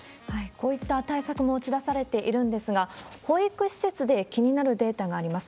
こういった対策も打ち出されているんですが、保育施設で気になるデータがあります。